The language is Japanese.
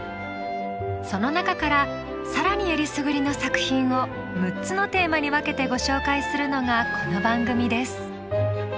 その中から更にえりすぐりの作品を６つのテーマに分けてご紹介するのがこの番組です。